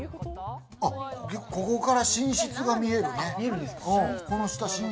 ここから寝室が見えるね。